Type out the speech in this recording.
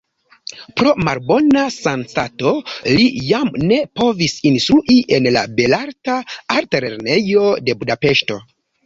Pro malbona sanstato li jam ne povis instrui en la Belarta Altlernejo de Budapeŝto.